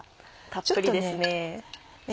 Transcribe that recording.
たっぷりですね。